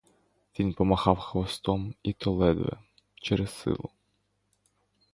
Він помахав хвостом і то ледве, через силу.